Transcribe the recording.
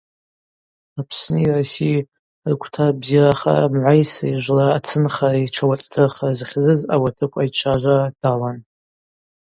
Апсни России рквта бзирахара мгӏвайсри жвлара ацынхари тшауацӏдрыхра зхьзыз ауатыкв айчважвара далан.